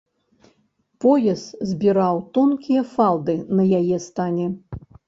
Пояс збіраў тонкія фалды на яе стане.